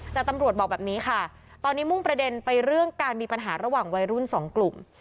แต่ตำรวจบอกแบบนี้ค่ะตอนนี้มุ่งประเด็นไปเรื่องการมีปัญหาระหว่างวัยรุ่นสองกลุ่ม